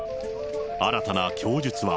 新たな供述は。